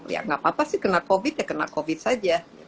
ya nggak apa apa sih kena covid ya kena covid saja